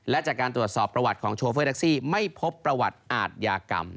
และจากการตรวจสอบประวัติของโชเฟอร์แท็กซี่ไม่พบประวัติอาทยากรรม